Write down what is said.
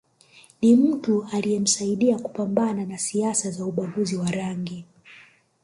Ni mtu aliyemsaidia kupambana na siasa za ubaguzi wa rangi